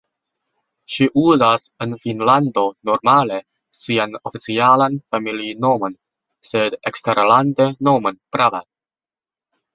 Ŝi uzas en Finnlando normale sian oficialan familinomon sed eksterlande nomon Brava.